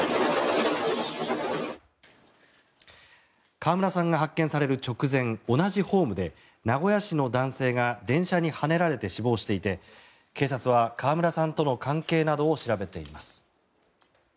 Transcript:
川村さんが発見される直前同じホームで名古屋市の男性が電車にはねられて死亡していて警察は川村さんとの関係などを調べています。